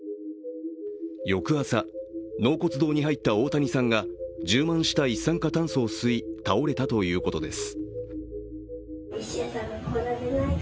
翌朝、納骨堂に入った大谷さんが充満した一酸化炭素を吸い、倒れたということです。